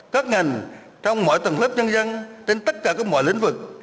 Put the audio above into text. các ngành trong mọi tầng lớp nhân dân trên tất cả các mọi lĩnh vực